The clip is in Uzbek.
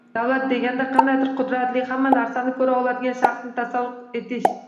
«Davlat» deganda qandaydir qudratli, hamma narsani ko‘ra oladigan «shaxs»ni tasavvur etish